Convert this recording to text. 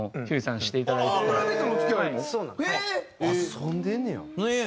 遊んでんねや。